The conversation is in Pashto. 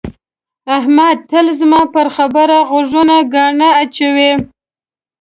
احمد تل زما پر خبره غوږونه ګاڼه اچوي.